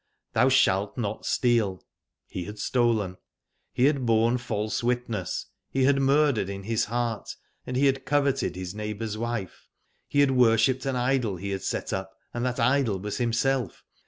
''Thou shalt not steal." He had stolen. He had borne false witness. He had murdered in his heart, and he had coveted his neighbour's wife. He had worshipped an idol he had set up, and that idol was himself.